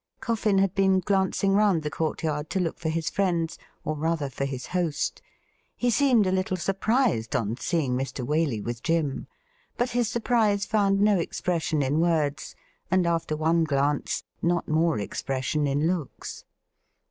Coffin had been glancing round the courtyard to look for his friends, or, rather, for his host. He seemed a little surprised on seeing Mr. Waley with Jim. But his surprise found no expression in words, and after one glance not more expression in looks.